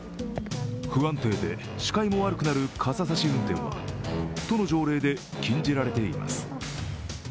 不安定で視界も悪くなる傘差し運転は都の条例で禁じられています。